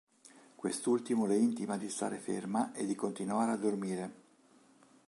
Quest'ultimo le intima di stare ferma e di continuare a dormire.